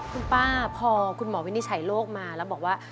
คุณป้าพอคุณหมอวินิจฉัยโรคมาแล้วบอกว่า